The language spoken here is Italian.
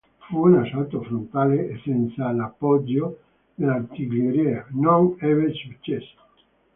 Fu un assalto frontale e, senza l’appoggio dell’artiglieria, non ebbe successo.